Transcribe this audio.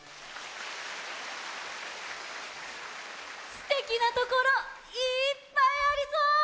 すてきなところいっぱいありそう！